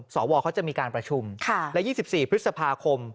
สวเขาจะมีการประชุมและ๒๔พฤษภาคม